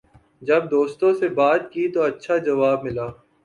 جب دوستوں سے بات کی تو اچھا جواب ملا